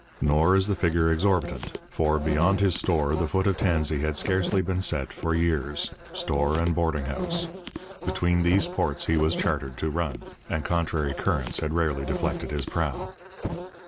Nor is the figure exorbitant, for, beyond his store the foot of Tansey had scarcely been set for years store and boarding house; between these ports he was chartered to run, and contrary currents had rarely deflected his prow.